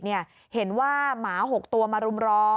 เหมือนว่าหมาหกตัวมารวมล้อม